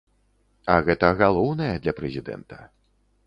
А гэта галоўнае для прэзідэнта.